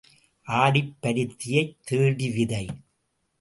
ஆடிப் பருத்தியைத் தேடி விதை.